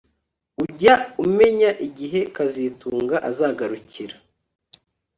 Ujya umenya igihe kazitunga azagarukira